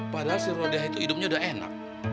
padahal si rodiah itu hidupnya udah enak